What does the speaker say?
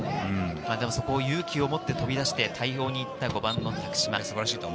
そこを勇気を持って飛び出して対応に行った、５番の多久島です。